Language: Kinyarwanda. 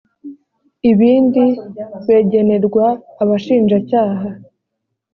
ibindi begenerwa abashinja cyaha.